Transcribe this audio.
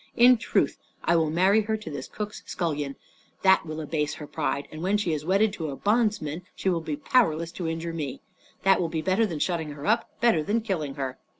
In truth, I will marry her to this cook's scullion. That will abase her pride; and when she is wedded to a bondsman she will be powerless to injure me. That will be better than shutting her up; better than killing her."